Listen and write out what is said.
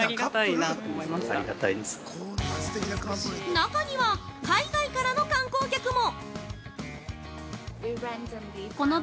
◆中には、海外からの観光客も！